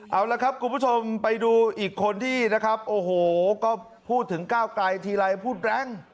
เอาละครับคุณผู้ชมไปดูอีกคนที่นะครับโอ้โหก็พูดถึงก้าวไกลทีไรพูดแรง